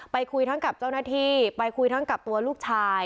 คุยทั้งกับเจ้าหน้าที่ไปคุยทั้งกับตัวลูกชาย